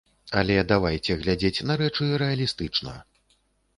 Але давайце глядзець на рэчы рэалістычна.